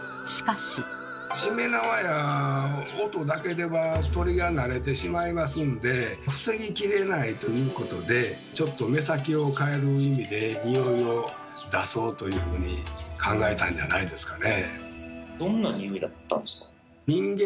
しめ縄や音だけでは鳥が慣れてしまいますんで防ぎきれないということでちょっと目先を変える意味で「ニオイを出そう」というふうに考えたんじゃないですかね。